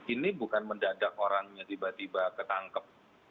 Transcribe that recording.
ini bukan mendadak orangnya tiba tiba ketangkep